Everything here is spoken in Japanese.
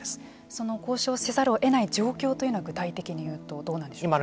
その交渉せざるを得ない状況というのは具体的に言うとどうなんでしょうか。